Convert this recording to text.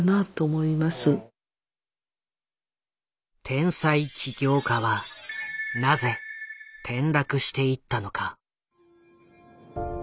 天才起業家はなぜ転落していったのか。